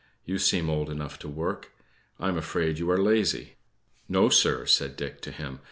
you seem old enough to work; I am afraid you are lazy." "No, sir," said Dick to him.